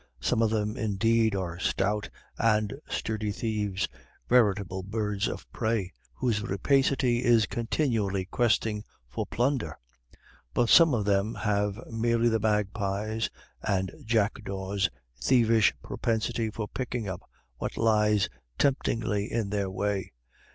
Some of them, indeed, are stout and sturdy thieves, veritable birds of prey, whose rapacity is continually questing for plunder. But some of them have merely the magpies' and jackdaws' thievish propensity for picking up what lies temptingly in their way.